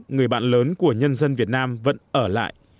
người bạn lớn của nhân dân việt nam vẫn ở lại